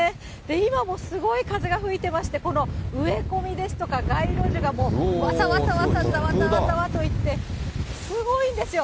今もすごい風が吹いてまして、この植え込みですとか街路樹がもう、わさわさわさ、ざわざわざわといって、すごいんですよ。